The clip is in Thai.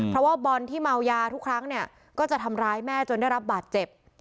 เพราะว่าบอลที่เมายาทุกครั้งเนี่ยก็จะทำร้ายแม่จนได้รับบาดเจ็บ